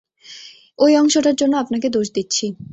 ওই অংশটার জন্য আপনাকে দোষ দিচ্ছি।